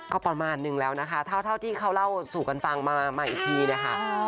ก็ประมาณนึงแล้วนะคะเท่าที่เขาเล่าสู่กันฟังมาอีกทีนะคะ